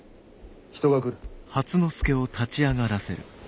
人が来る。